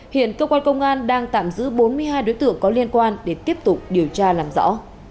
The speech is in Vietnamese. hiện cơ quan công an đang tạm giữ bốn mươi hai đối tượng có liên quan để tiếp tục điều tra làm rõ